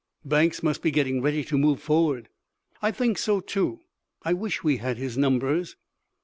"Banks must be getting ready to move forward." "I think so, too. I wish we had his numbers."